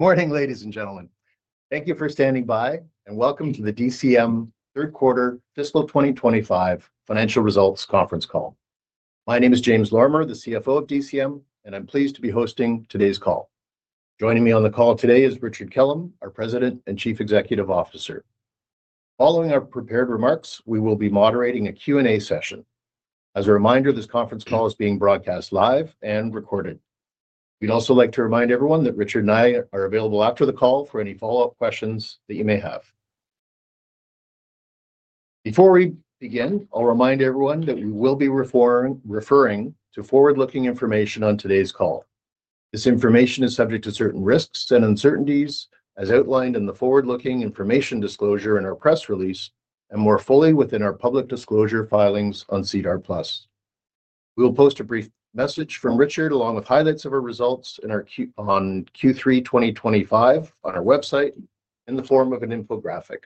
Morning, ladies and gentlemen. Thank you for standing by, and welcome to the DCM Third Quarter Fiscal 2025 Financial Results Conference Call. My name is James Lorimer, the CFO of DCM, and I'm pleased to be hosting today's call. Joining me on the call today is Richard Kellam, our President and Chief Executive Officer. Following our prepared remarks, we will be moderating a Q&A session. As a reminder, this conference call is being broadcast live and recorded. We'd also like to remind everyone that Richard and I are available after the call for any follow-up questions that you may have. Before we begin, I'll remind everyone that we will be referring to forward-looking information on today's call. This information is subject to certain risks and uncertainties, as outlined in the forward-looking information disclosure in our press release and more fully within our public disclosure filings on CDAR Plus. We will post a brief message from Richard along with highlights of our results on Q3 2025 on our website in the form of an infographic.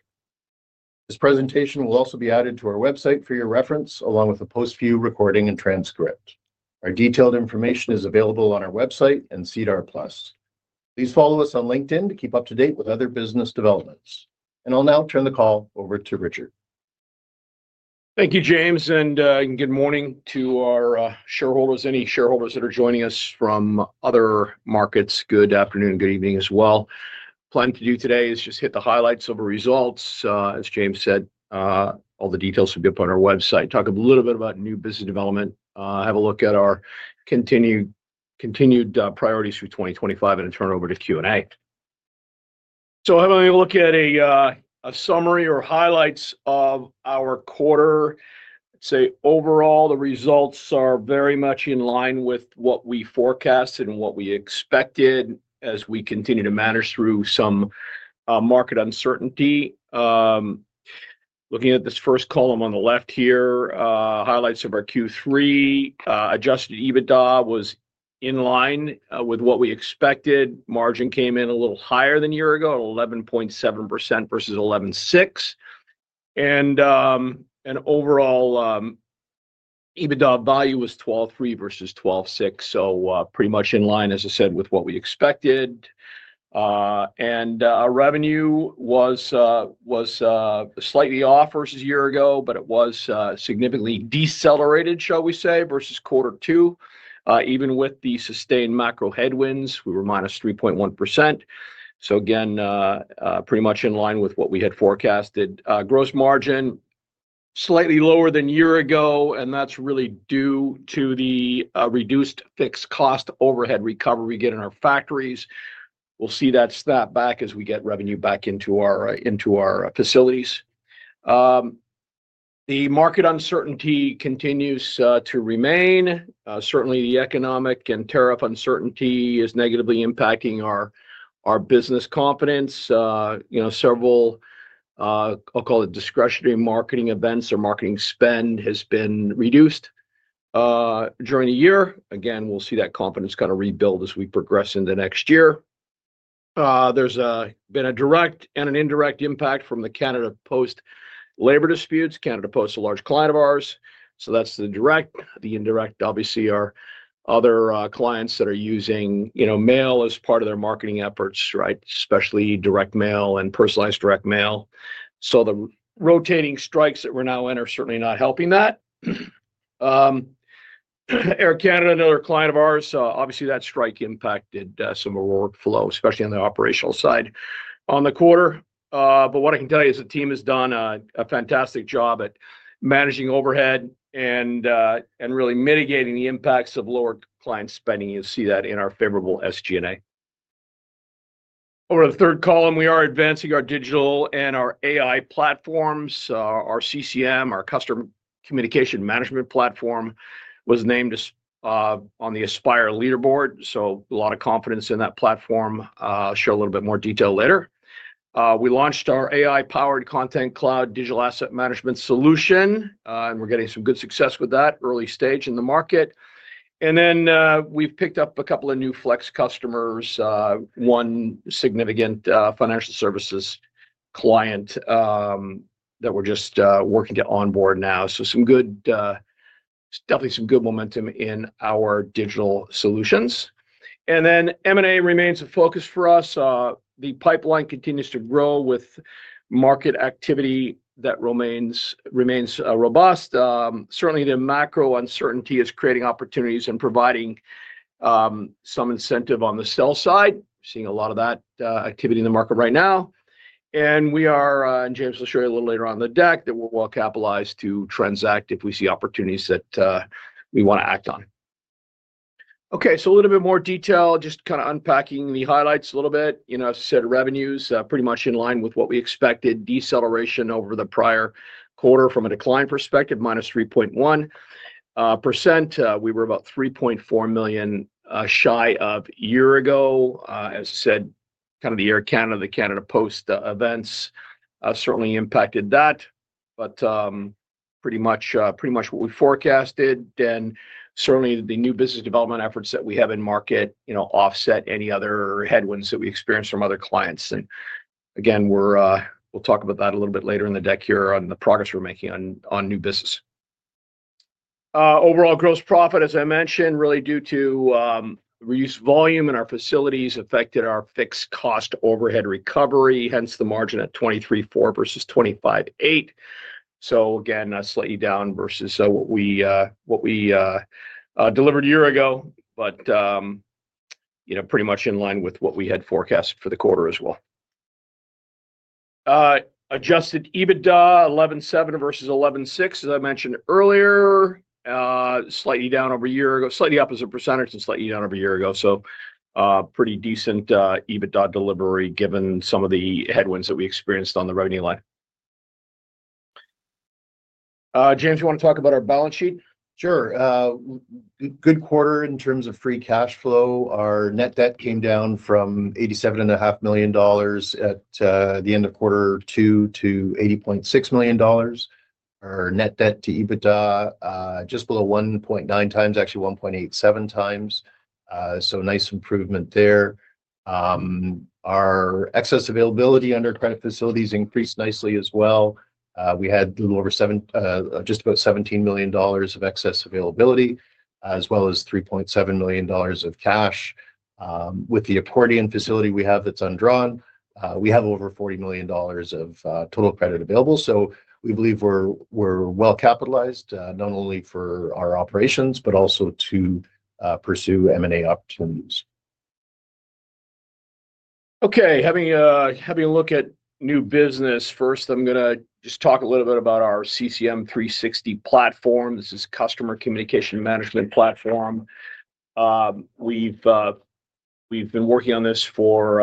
This presentation will also be added to our website for your reference, along with a post-view recording and transcript. Our detailed information is available on our website and CDAR Plus. Please follow us on LinkedIn to keep up to date with other business developments. I will now turn the call over to Richard. Thank you, James, and good morning to our shareholders, any shareholders that are joining us from other markets. Good afternoon and good evening as well. The plan to do today is just hit the highlights of our results. As James said, all the details will be up on our website. Talk a little bit about new business development, have a look at our continued priorities for 2025, and turn it over to Q&A. Having a look at a summary or highlights of our quarter, I'd say overall, the results are very much in line with what we forecasted and what we expected as we continue to manage through some market uncertainty. Looking at this first column on the left here, highlights of our Q3, adjusted EBITDA was in line with what we expected. Margin came in a little higher than a year ago, at 11.7% versus 11.6%. Overall, EBITDA value was 12.3% versus 12.6%, so pretty much in line, as I said, with what we expected. Our revenue was slightly off versus a year ago, but it was significantly decelerated, shall we say, versus Q2. Even with the sustained macro headwinds, we were minus 3.1%. Again, pretty much in line with what we had forecasted. Gross margin slightly lower than a year ago, and that's really due to the reduced fixed cost overhead recovery we get in our factories. We'll see that snap back as we get revenue back into our facilities. The market uncertainty continues to remain. Certainly, the economic and tariff uncertainty is negatively impacting our business confidence. Several, I'll call it discretionary marketing events or marketing spend has been reduced during the year. Again, we'll see that confidence kind of rebuild as we progress into next year. There's been a direct and an indirect impact from the Canada Post Labor Disputes. Canada Post is a large client of ours, so that's the direct. The indirect, obviously, are other clients that are using mail as part of their marketing efforts, right? Especially direct mail and personalized direct mail. The rotating strikes that we're now in are certainly not helping that. Air Canada, another client of ours, obviously, that strike impacted some of our workflow, especially on the operational side on the quarter. What I can tell you is the team has done a fantastic job at managing overhead and really mitigating the impacts of lower client spending. You'll see that in our favorable SG&A. Over the third column, we are advancing our digital and our AI platforms. Our CCM, our Customer Communication Management platform, was named on the Aspire Leaderboard. A lot of confidence in that platform. I'll show a little bit more detail later. We launched our AI-powered Content Cloud digital asset management solution, and we're getting some good success with that, early stage in the market. We have picked up a couple of new Flex customers, one significant financial services client that we're just working to onboard now. Some good, definitely some good momentum in our digital solutions. M&A remains a focus for us. The pipeline continues to grow with market activity that remains robust. Certainly, the macro uncertainty is creating opportunities and providing some incentive on the sell side. We're seeing a lot of that activity in the market right now. We are, and James will show you a little later on in the deck, well-capitalized to transact if we see opportunities that we want to act on. Okay, so a little bit more detail, just kind of unpacking the highlights a little bit. As I said, revenues pretty much in line with what we expected. Deceleration over the prior quarter from a decline perspective, minus 3.1%. We were about 3.4 million shy of a year ago. As I said, kind of the Air Canada, the Canada Post events certainly impacted that, but pretty much what we forecasted. Certainly, the new business development efforts that we have in market offset any other headwinds that we experienced from other clients. Again, we'll talk about that a little bit later in the deck here on the progress we're making on new business. Overall gross profit, as I mentioned, really due to reduced volume in our facilities affected our fixed cost overhead recovery, hence the margin at 23.4% versus 25.8%. Again, slightly down versus what we delivered a year ago, but pretty much in line with what we had forecast for the quarter as well. Adjusted EBITDA, 11.7% versus 11.6%, as I mentioned earlier, slightly down over a year ago, slightly opposite percentage and slightly down over a year ago. Pretty decent EBITDA delivery given some of the headwinds that we experienced on the revenue line. James, you want to talk about our balance sheet? Sure. Good quarter in terms of free cash flow. Our net debt came down from 87.5 million dollars at the end of quarter two to 80.6 million dollars. Our net debt to EBITDA just below 1.9 times, actually 1.87 times. Nice improvement there. Our excess availability under credit facilities increased nicely as well. We had a little over just about 17 million dollars of excess availability, as well as 3.7 million dollars of cash. With the accordion facility we have that's undrawn, we have over 40 million dollars of total credit available. We believe we're well-capitalized, not only for our operations, but also to pursue M&A opportunities. Okay, having a look at new business first, I'm going to just talk a little bit about our CCM 360 platform. This is a Customer Communication Management platform. We've been working on this for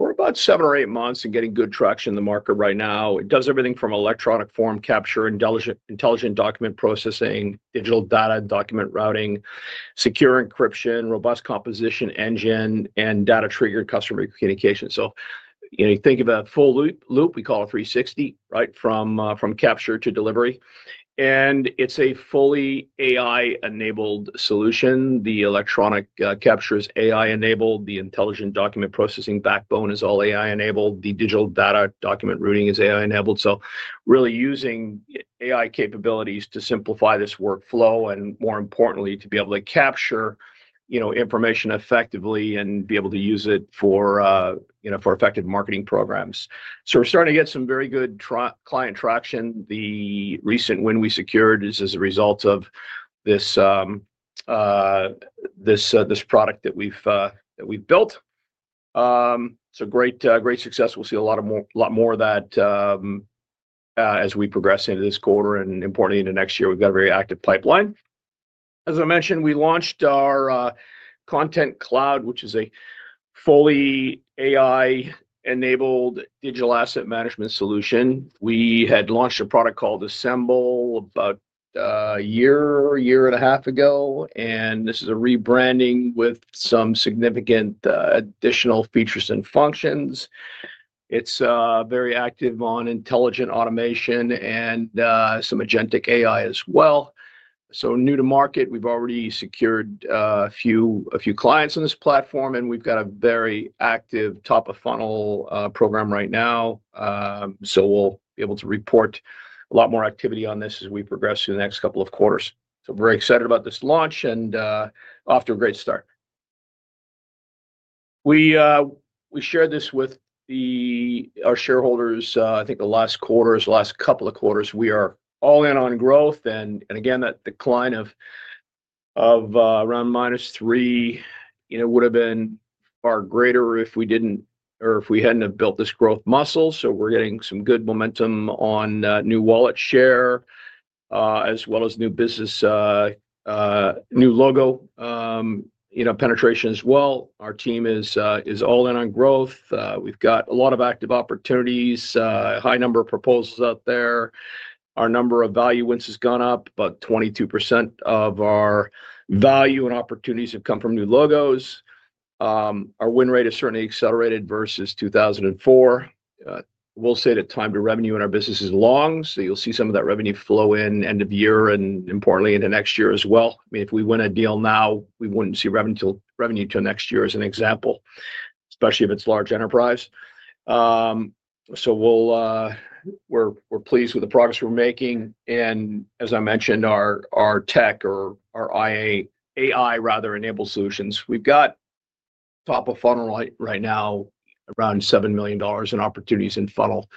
about seven or eight months and getting good traction in the market right now. It does everything from electronic form capture, intelligent document processing, digital data and document routing, secure encryption, robust composition engine, and data-triggered customer communication. You think of a full loop, we call it 360, right, from capture to delivery. It is a fully AI-enabled solution. The electronic capture is AI-enabled. The intelligent document processing backbone is all AI-enabled. The digital data document routing is AI-enabled. Really using AI capabilities to simplify this workflow and, more importantly, to be able to capture information effectively and be able to use it for effective marketing programs. We're starting to get some very good client traction. The recent win we secured is as a result of this product that we've built. It's a great success. We'll see a lot more of that as we progress into this quarter and importantly into next year. We've got a very active pipeline. As I mentioned, we launched our Content Cloud, which is a fully AI-enabled digital asset management solution. We had launched a product called Assemble about a year, year and a half ago, and this is a rebranding with some significant additional features and functions. It's very active on intelligent automation and some agentic AI as well. New to market, we've already secured a few clients on this platform, and we've got a very active top-of-funnel program right now. We will be able to report a lot more activity on this as we progress through the next couple of quarters. Very excited about this launch and off to a great start. We shared this with our shareholders, I think the last couple of quarters, we are all in on growth. Again, that decline of around minus 3% would have been far greater if we did not or if we had not built this growth muscle. We are getting some good momentum on new wallet share as well as new business, new logo penetration as well. Our team is all in on growth. We have a lot of active opportunities, a high number of proposals out there. Our number of value wins has gone up, but 22% of our value and opportunities have come from new logos. Our win rate has certainly accelerated versus 2004. We'll say that time to revenue in our business is long, so you'll see some of that revenue flow in end of year and importantly into next year as well. I mean, if we win a deal now, we wouldn't see revenue until next year as an example, especially if it's large enterprise. So we're pleased with the progress we're making. And as I mentioned, our tech or our AI-enabled solutions, we've got top-of-funnel right now around 7 million dollars in opportunities in funnel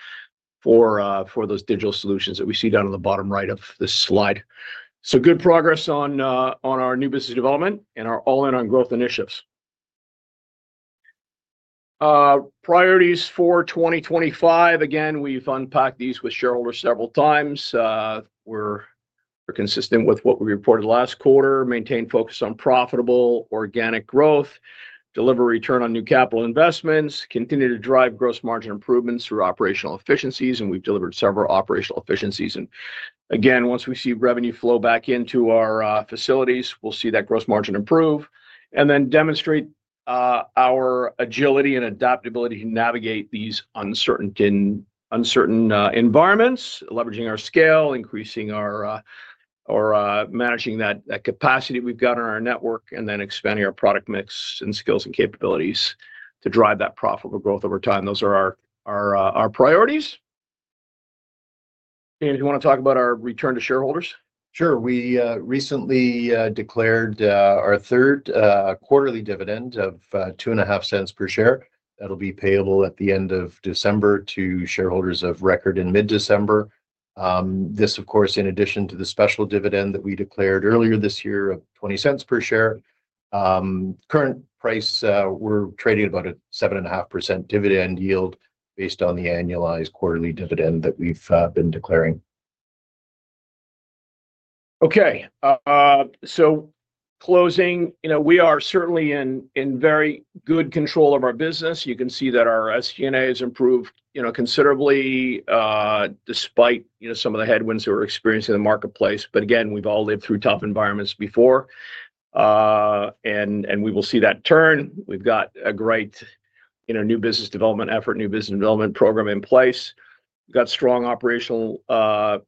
for those digital solutions that we see down on the bottom right of this slide. So good progress on our new business development and our all-in-on growth initiatives. Priorities for 2025. Again, we've unpacked these with shareholders several times. We're consistent with what we reported last quarter, maintained focus on profitable organic growth, deliver return on new capital investments, continue to drive gross margin improvements through operational efficiencies, and we've delivered several operational efficiencies. Once we see revenue flow back into our facilities, we'll see that gross margin improve. Demonstrate our agility and adaptability to navigate these uncertain environments, leveraging our scale, increasing our managing that capacity we've got on our network, and then expanding our product mix and skills and capabilities to drive that profitable growth over time. Those are our priorities. James, you want to talk about our return to shareholders? Sure. We recently declared our third quarterly dividend of 0.025 per share. That'll be payable at the end of December to shareholders of record in mid-December. This, of course, in addition to the special dividend that we declared earlier this year of 0.20 per share. Current price, we're trading about a 7.5% dividend yield based on the annualized quarterly dividend that we've been declaring. Okay. Closing, we are certainly in very good control of our business. You can see that our SG&A has improved considerably despite some of the headwinds that we're experiencing in the marketplace. Again, we've all lived through tough environments before, and we will see that turn. We've got a great new business development effort, new business development program in place. We've got strong operational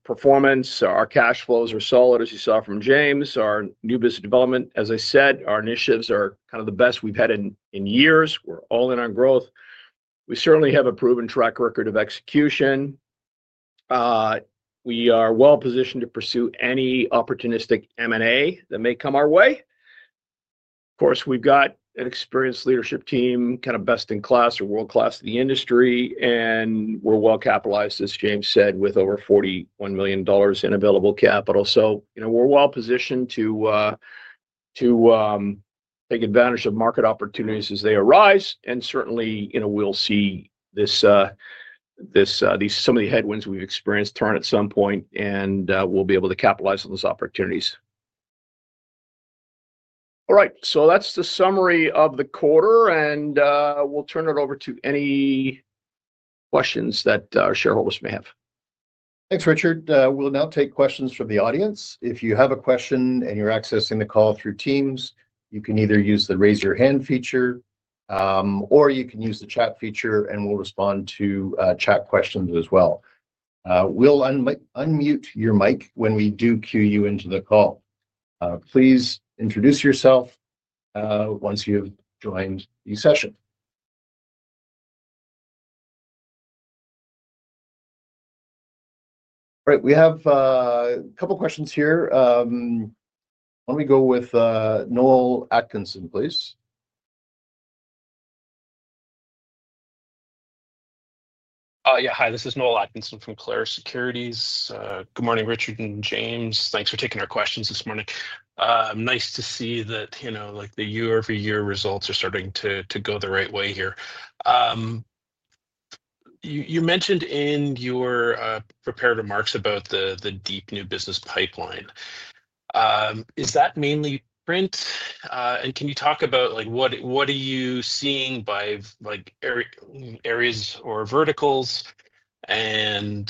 performance. Our cash flows are solid, as you saw from James. Our new business development, as I said, our initiatives are kind of the best we've had in years. We're all in on growth. We certainly have a proven track record of execution. We are well-positioned to pursue any opportunistic M&A that may come our way. Of course, we've got an experienced leadership team, kind of best in class or world-class in the industry, and we're well-capitalized, as James said, with over 41 million dollars in available capital. We are well-positioned to take advantage of market opportunities as they arise. Certainly, we'll see some of the headwinds we've experienced turn at some point, and we'll be able to capitalize on those opportunities. All right. That's the summary of the quarter, and we'll turn it over to any questions that our shareholders may have. Thanks, Richard. We'll now take questions from the audience. If you have a question and you're accessing the call through Teams, you can either use the raise your hand feature, or you can use the chat feature, and we'll respond to chat questions as well. We'll unmute your mic when we do cue you into the call. Please introduce yourself once you've joined the session. All right. We have a couple of questions here. Why don't we go with Noel Atkinson, please? Yeah. Hi, this is Noel Atkinson from Clarus Securities. Good morning, Richard and James. Thanks for taking our questions this morning. Nice to see that the year-over-year results are starting to go the right way here. You mentioned in your prepared remarks about the deep new business pipeline. Is that mainly print? Can you talk about what are you seeing by areas or verticals? Are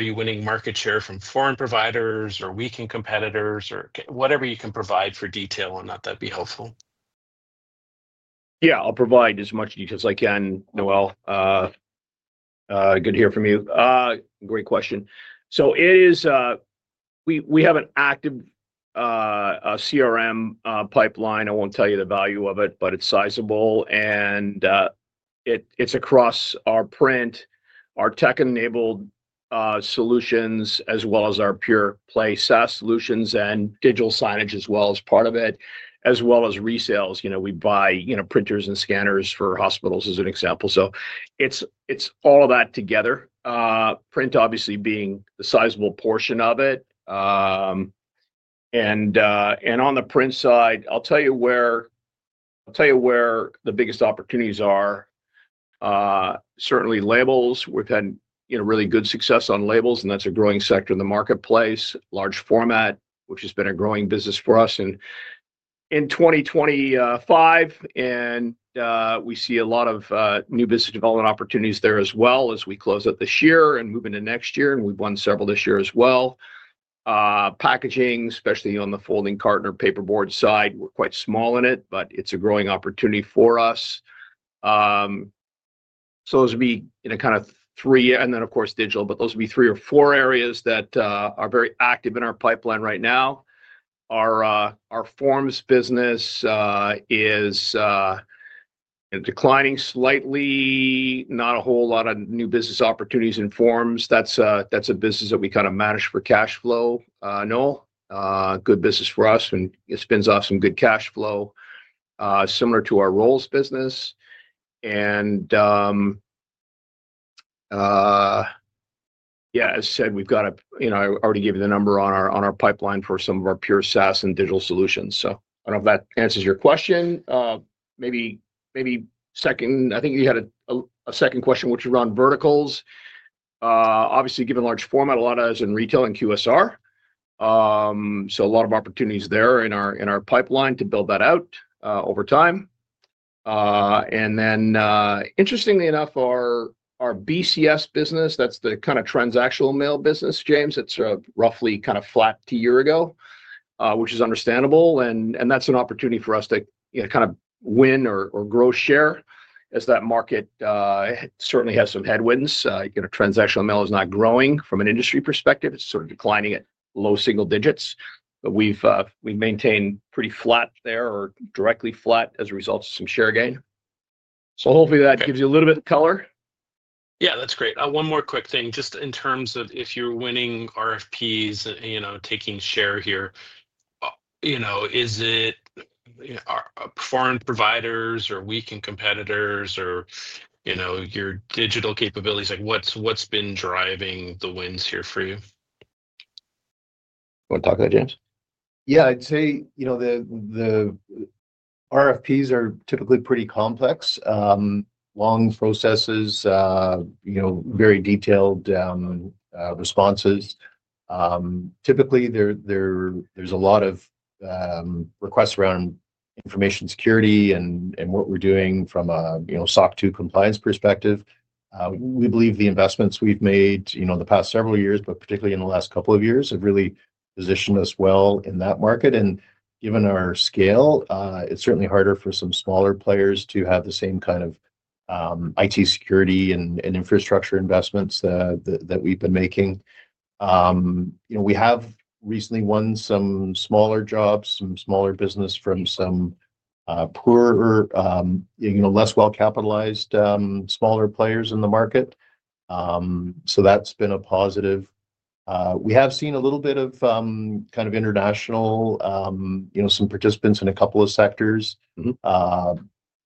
you winning market share from foreign providers or weakened competitors or whatever you can provide for detail on that, that'd be helpful? Yeah, I'll provide as much details as I can, Noel. Good to hear from you. Great question. We have an active CRM pipeline. I won't tell you the value of it, but it's sizable. It's across our print, our tech-enabled solutions, as well as our pure-play SaaS solutions and digital signage as well as part of it, as well as resales. We buy printers and scanners for hospitals as an example. It's all of that together. Print, obviously, being the sizable portion of it. On the print side, I'll tell you where the biggest opportunities are. Certainly, labels. We've had really good success on labels, and that's a growing sector in the marketplace. Large format, which has been a growing business for us in 2025. We see a lot of new business development opportunities there as we close out this year and move into next year. We have won several this year as well. Packaging, especially on the folding carton or paperboard side, we are quite small in it, but it is a growing opportunity for us. Those would be kind of three, and then, of course, digital, but those would be three or four areas that are very active in our pipeline right now. Our forms business is declining slightly. Not a whole lot of new business opportunities in forms. That is a business that we kind of manage for cash flow, Noel. Good business for us, and it spins off some good cash flow, similar to our roles business. Yeah, as I said, we've got a—I already gave you the number on our pipeline for some of our pure SaaS and digital solutions. I don't know if that answers your question. Maybe second, I think you had a second question, which is around verticals. Obviously, given large format, a lot of that is in retail and QSR. A lot of opportunities there in our pipeline to build that out over time. Interestingly enough, our BCS business, that's the kind of transactional mail business, James, that's roughly kind of flat two years ago, which is understandable. That's an opportunity for us to kind of win or grow share as that market certainly has some headwinds. Transactional mail is not growing from an industry perspective. It's sort of declining at low single digits. We have maintained pretty flat there or directly flat as a result of some share gain. Hopefully that gives you a little bit of color. Yeah, that's great. One more quick thing, just in terms of if you're winning RFPs, taking share here, is it foreign providers or weakened competitors or your digital capabilities? What's been driving the wins here for you? You want to talk about, James? Yeah, I'd say the RFPs are typically pretty complex, long processes, very detailed responses. Typically, there's a lot of requests around information security and what we're doing from a SOC 2 compliance perspective. We believe the investments we've made in the past several years, but particularly in the last couple of years, have really positioned us well in that market. Given our scale, it's certainly harder for some smaller players to have the same kind of IT security and infrastructure investments that we've been making. We have recently won some smaller jobs, some smaller business from some poorer, less well-capitalized smaller players in the market. That has been a positive. We have seen a little bit of kind of international, some participants in a couple of sectors,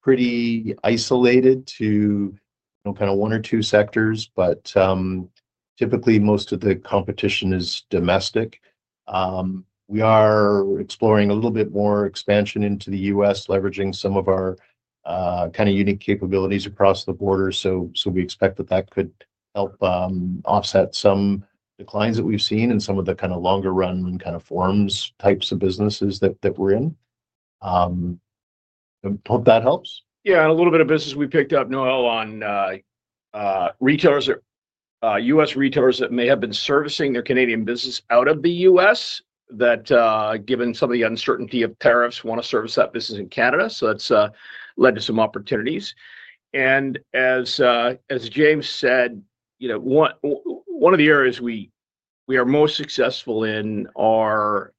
pretty isolated to kind of one or two sectors, but typically most of the competition is domestic. We are exploring a little bit more expansion into the U.S., leveraging some of our kind of unique capabilities across the border. We expect that that could help offset some declines that we've seen in some of the kind of longer-run kind of forms types of businesses that we're in. Hope that helps. Yeah. A little bit of business we picked up, Noel, on US retailers that may have been servicing their Canadian business out of the US that, given some of the uncertainty of tariffs, want to service that business in Canada. That has led to some opportunities. As James said, one of the areas we are most successful in are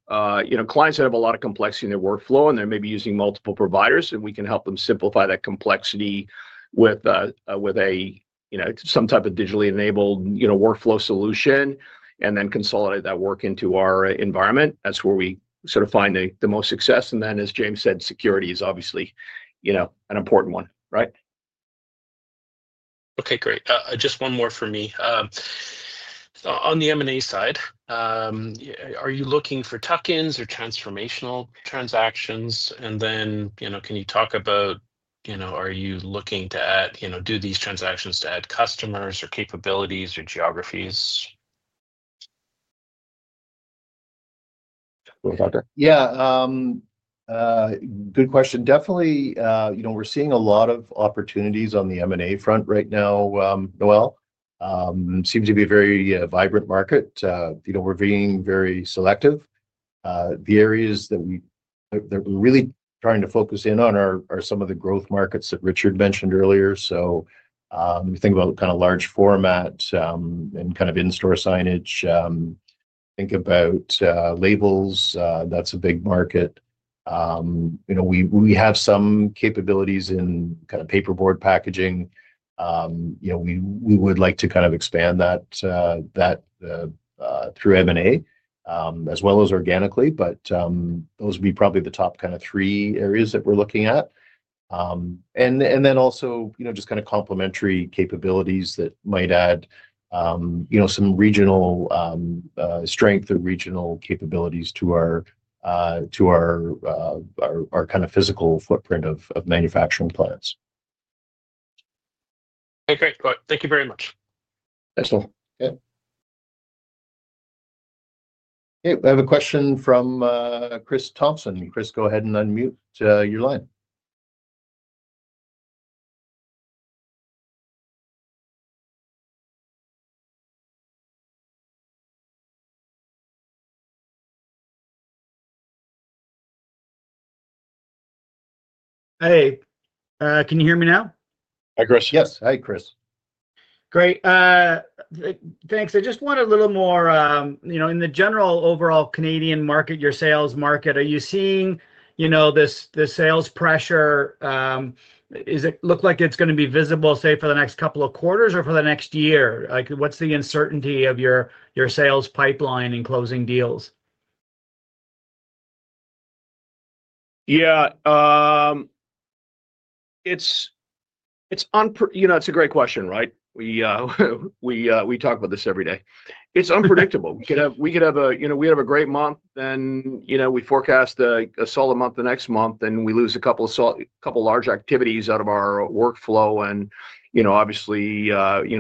clients that have a lot of complexity in their workflow, and they're maybe using multiple providers, and we can help them simplify that complexity with some type of digitally enabled workflow solution and then consolidate that work into our environment. That is where we sort of find the most success. As James said, security is obviously an important one, right? Okay, great. Just one more for me. On the M&A side, are you looking for tuck-ins or transformational transactions? Can you talk about are you looking to do these transactions to add customers or capabilities or geographies? Yeah. Good question. Definitely, we're seeing a lot of opportunities on the M&A front right now, Noel. Seems to be a very vibrant market. We're being very selective. The areas that we're really trying to focus in on are some of the growth markets that Richard mentioned earlier. We think about kind of large format and kind of in-store signage. Think about labels. That's a big market. We have some capabilities in kind of paperboard packaging. We would like to kind of expand that through M&A as well as organically, but those would be probably the top kind of three areas that we're looking at. Also just kind of complementary capabilities that might add some regional strength or regional capabilities to our kind of physical footprint of manufacturing plants. Okay. Great. Thank you very much. Thanks, Noel. Okay. We have a question from Chris Thompson. Chris, go ahead and unmute your line. Hey. Can you hear me now? Hi, Chris. Yes, hi, Chris. Great. Thanks. I just want a little more in the general overall Canadian market, your sales market, are you seeing the sales pressure? Does it look like it's going to be visible, say, for the next couple of quarters or for the next year? What's the uncertainty of your sales pipeline in closing deals? Yeah. It's a great question, right? We talk about this every day. It's unpredictable. We could have a great month, then we forecast a solid month the next month, and we lose a couple of large activities out of our workflow. Obviously,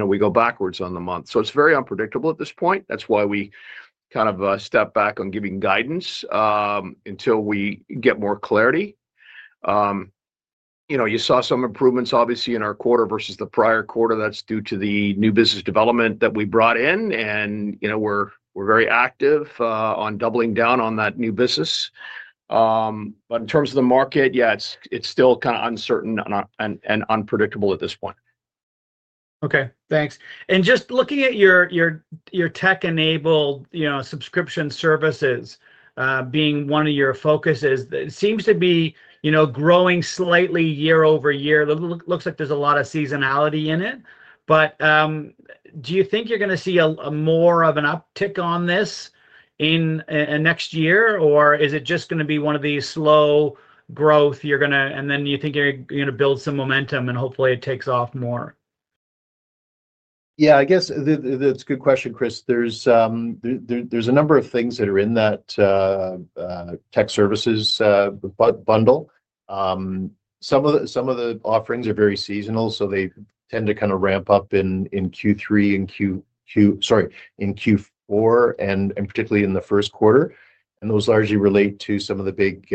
we go backwards on the month. It's very unpredictable at this point. That's why we kind of step back on giving guidance until we get more clarity. You saw some improvements, obviously, in our quarter versus the prior quarter. That's due to the new business development that we brought in. We're very active on doubling down on that new business. In terms of the market, yeah, it's still kind of uncertain and unpredictable at this point. Okay. Thanks. Just looking at your tech-enabled subscription services being one of your focuses, it seems to be growing slightly year-over-year. Looks like there's a lot of seasonality in it. Do you think you're going to see more of an uptick on this in next year, or is it just going to be one of these slow growth, and then you think you're going to build some momentum and hopefully it takes off more? Yeah, I guess that's a good question, Chris. There's a number of things that are in that tech services bundle. Some of the offerings are very seasonal, so they tend to kind of ramp up in Q3 and Q4, particularly in the first quarter. Those largely relate to some of the big,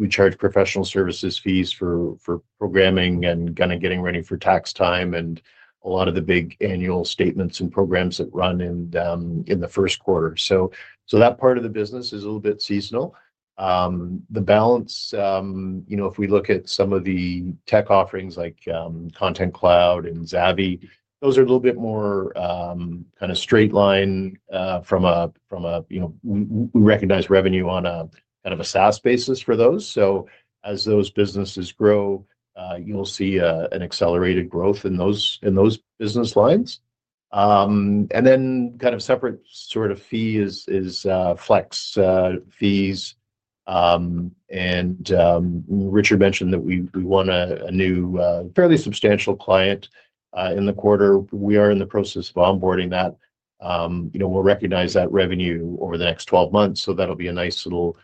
we charge professional services fees for programming and kind of getting ready for tax time and a lot of the big annual statements and programs that run in the first quarter. That part of the business is a little bit seasonal. The balance, if we look at some of the tech offerings like Content Cloud and Zavvy, those are a little bit more kind of straight line. We recognize revenue on a kind of a SaaS basis for those. As those businesses grow, you'll see an accelerated growth in those business lines. Kind of separate sort of fee is Flex fees. Richard mentioned that we won a new fairly substantial client in the quarter. We are in the process of onboarding that. We'll recognize that revenue over the next 12 months. That will be a nice little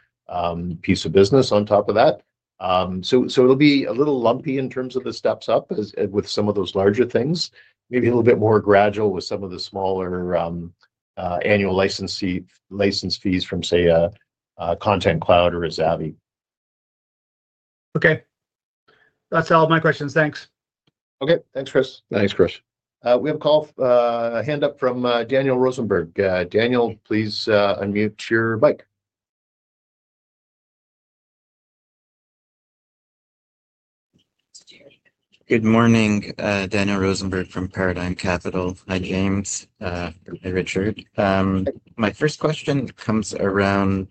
piece of business on top of that. It will be a little lumpy in terms of the steps up with some of those larger things. Maybe a little bit more gradual with some of the smaller annual license fees from, say, Content Cloud or Zavvy. Okay. That's all of my questions. Thanks. Okay. Thanks, Chris. We have a hand up from Daniel Rosenberg. Daniel, please unmute your mic. Good morning. Daniel Rosenberg from Paradigm Capital. Hi, James. Hi, Richard. My first question comes around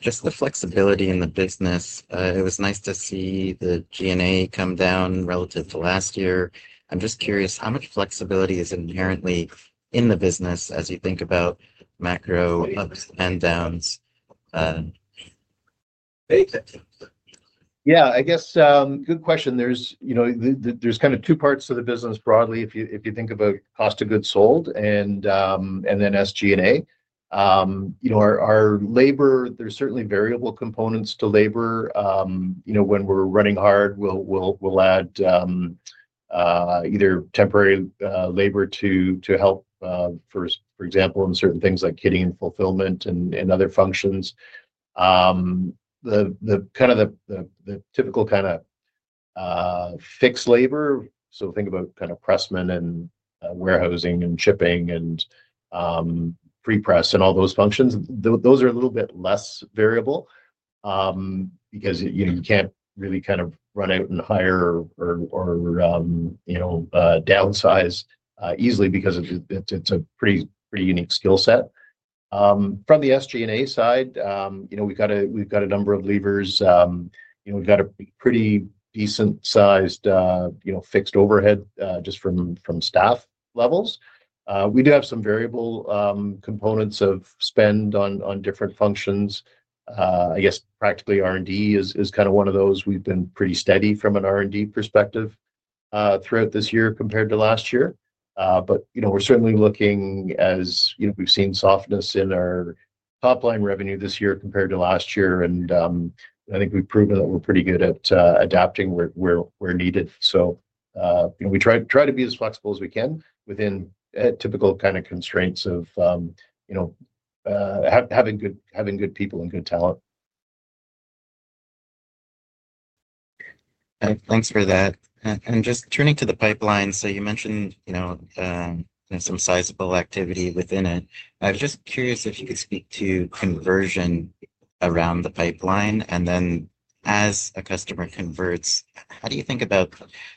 just the flexibility in the business. It was nice to see the G&A come down relative to last year. I'm just curious, how much flexibility is inherently in the business as you think about macro ups and downs? Yeah, I guess good question. There's kind of two parts to the business broadly if you think of a cost of goods sold and then SG&A. Our labor, there's certainly variable components to labor. When we're running hard, we'll add either temporary labor to help, for example, in certain things like kitting and fulfillment and other functions. Kind of the typical kind of fixed labor, so think about kind of pressmen and warehousing and shipping and pre-press and all those functions, those are a little bit less variable because you can't really kind of run out and hire or downsize easily because it's a pretty unique skill set. From the SG&A side, we've got a number of levers. We've got a pretty decent-sized fixed overhead just from staff levels. We do have some variable components of spend on different functions. I guess practically R&D is kind of one of those. We've been pretty steady from an R&D perspective throughout this year compared to last year. We are certainly looking as we've seen softness in our top-line revenue this year compared to last year. I think we've proven that we're pretty good at adapting where needed. We try to be as flexible as we can within typical kind of constraints of having good people and good talent. Thanks for that. Just turning to the pipeline, you mentioned some sizable activity within it. I was just curious if you could speak to conversion around the pipeline. As a customer converts, how do you think about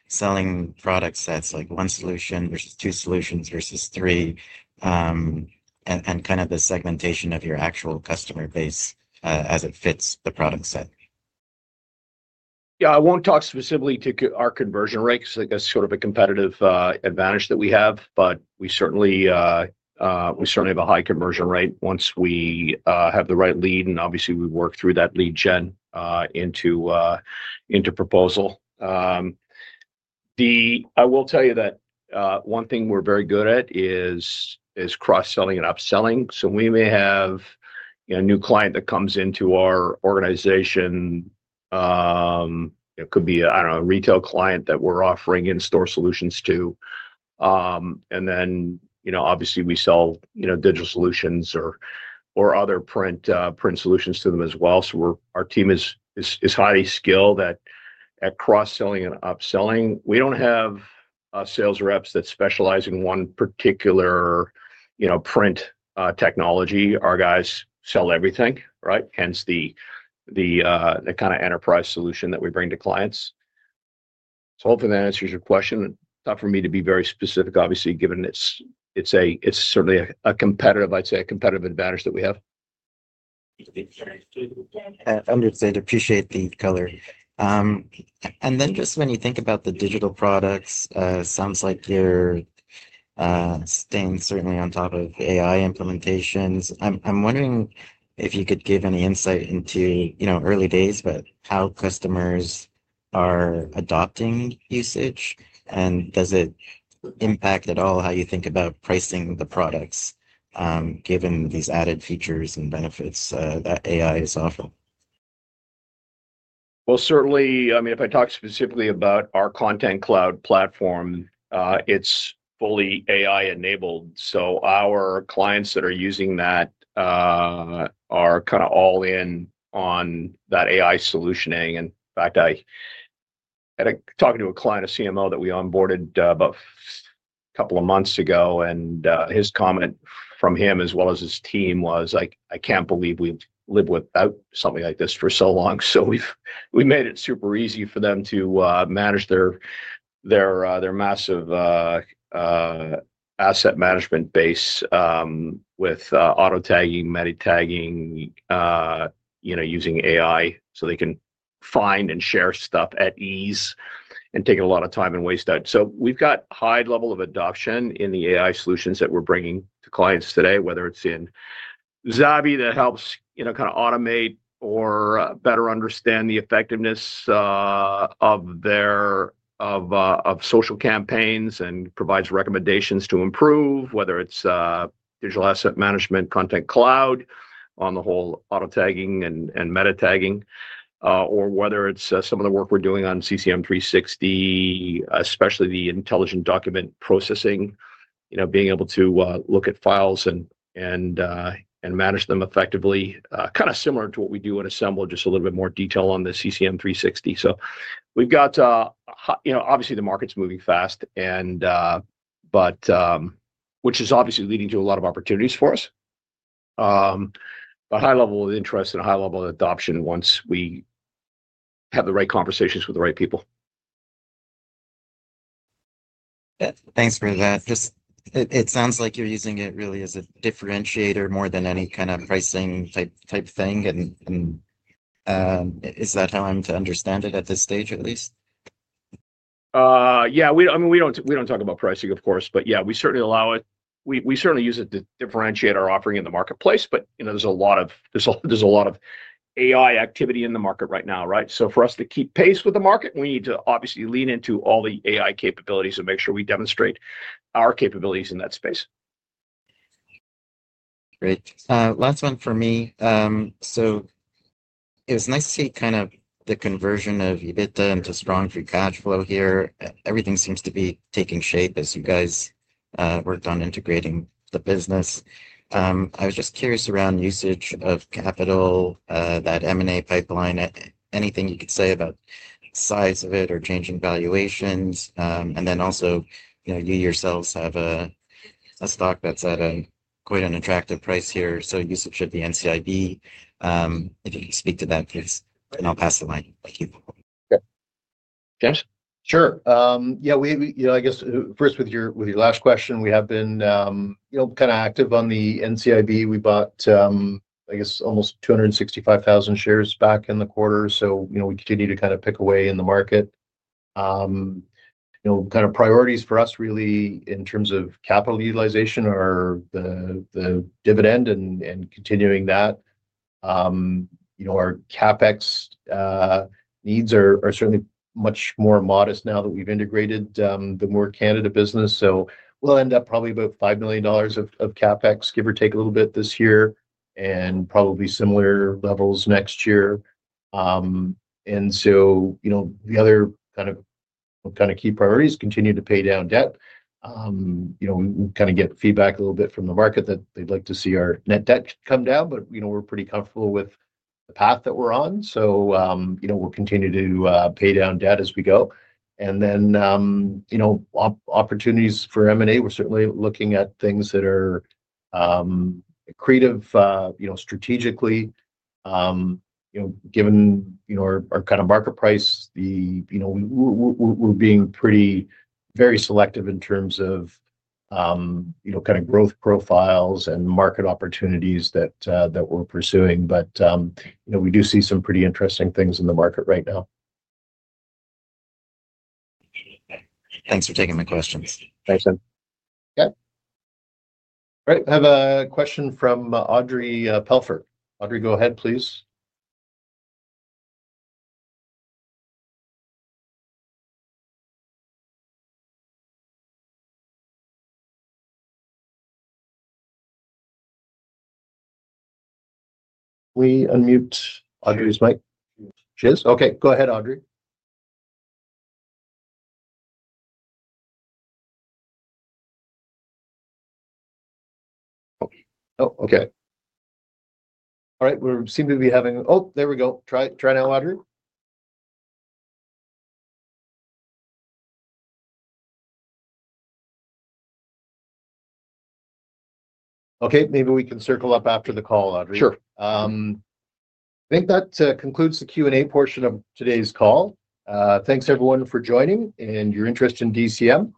selling product sets like one solution versus two solutions versus three and kind of the segmentation of your actual customer base as it fits the product set? Yeah. I will not talk specifically to our conversion rate because that is sort of a competitive advantage that we have, but we certainly have a high conversion rate once we have the right lead. Obviously, we work through that lead gen into proposal. I will tell you that one thing we are very good at is cross-selling and upselling. We may have a new client that comes into our organization. It could be, I do not know, a retail client that we are offering in-store solutions to. Obviously, we sell digital solutions or other print solutions to them as well. Our team is highly skilled at cross-selling and upselling. We do not have sales reps that specialize in one particular print technology. Our guys sell everything, right? Hence the kind of enterprise solution that we bring to clients. Hopefully that answers your question. It's not for me to be very specific, obviously, given it's certainly a competitive, I'd say a competitive advantage that we have. Understood. Appreciate the color. When you think about the digital products, it sounds like you're staying certainly on top of AI implementations. I'm wondering if you could give any insight into early days, but how customers are adopting usage, and does it impact at all how you think about pricing the products given these added features and benefits that AI is offering? Certainly, I mean, if I talk specifically about our Content Cloud platform, it's fully AI-enabled. Our clients that are using that are kind of all in on that AI solutioning. In fact, I had a talking to a client, a CMO that we onboarded about a couple of months ago, and his comment from him as well as his team was, "I can't believe we've lived without something like this for so long." We have made it super easy for them to manage their massive asset management base with auto tagging, many tagging, using AI so they can find and share stuff at ease and take a lot of time and waste out. We've got a high level of adoption in the AI solutions that we're bringing to clients today, whether it's in Zavvy that helps kind of automate or better understand the effectiveness of their social campaigns and provides recommendations to improve, whether it's digital asset management, Content Cloud on the whole auto tagging and meta tagging, or whether it's some of the work we're doing on CCM 360, especially the intelligent document processing, being able to look at files and manage them effectively, kind of similar to what we do at Assemble, just a little bit more detail on the CCM 360. We've got obviously the market's moving fast, which is obviously leading to a lot of opportunities for us, but high level of interest and high level of adoption once we have the right conversations with the right people. Thanks for that. It sounds like you're using it really as a differentiator more than any kind of pricing type thing. Is that how I'm to understand it at this stage at least? Yeah. I mean, we do not talk about pricing, of course, but yeah, we certainly allow it. We certainly use it to differentiate our offering in the marketplace, but there is a lot of AI activity in the market right now, right? For us to keep pace with the market, we need to obviously lean into all the AI capabilities and make sure we demonstrate our capabilities in that space. Great. Last one for me. It was nice to see kind of the conversion of EBITDA into strong free cash flow here. Everything seems to be taking shape as you guys worked on integrating the business. I was just curious around usage of capital, that M&A pipeline, anything you could say about size of it or changing valuations. Also, you yourselves have a stock that's at quite an attractive price here. Usage of the NCIB, if you can speak to that, please, and I'll pass the mic. Thank you. Okay. James? Sure. Yeah. I guess first with your last question, we have been kind of active on the NCIB. We bought, I guess, almost 265,000 shares back in the quarter. We continue to kind of pick away in the market. Kind of priorities for us really in terms of capital utilization are the dividend and continuing that. Our CapEx needs are certainly much more modest now that we have integrated the Moore Canada business. We will end up probably about 5 million dollars of CapEx, give or take a little bit this year, and probably similar levels next year. The other kind of key priorities continue to pay down debt. We kind of get feedback a little bit from the market that they would like to see our net debt come down, but we are pretty comfortable with the path that we are on. We'll continue to pay down debt as we go. Then opportunities for M&A, we're certainly looking at things that are creative strategically. Given our kind of market price, we're being very selective in terms of kind of growth profiles and market opportunities that we're pursuing. We do see some pretty interesting things in the market right now. Thanks for taking my questions. Thanks, Tim. Okay. All right. I have a question from Audrey Telfer. Audrey, go ahead, please. We unmute Audrey's mic. She is? Okay. Go ahead, Audrey. Oh, okay. All right. We seem to be having—oh, there we go. Try now, Audrey. Okay. Maybe we can circle up after the call, Audrey. Sure. I think that concludes the Q&A portion of today's call. Thanks, everyone, for joining and your interest in DCM.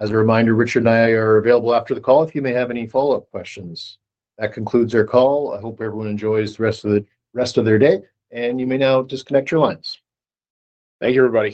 As a reminder, Richard and I are available after the call if you may have any follow-up questions. That concludes our call. I hope everyone enjoys the rest of their day, and you may now disconnect your lines. Thank you, everybody.